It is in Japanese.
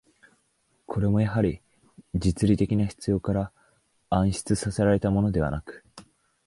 これもやはり、実利的な必要から案出せられたものではなく、